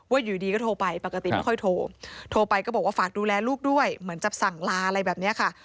อยู่ดีก็โทรไปปกติไม่ค่อยโทรโทรไปก็บอกว่าฝากดูแลลูกด้วยเหมือนจะสั่งลาอะไรแบบนี้ค่ะ